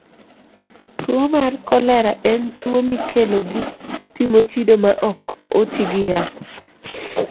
Tuwo mar kolera en tuwo mikelo gi pi mochido ma ok oti gi yath.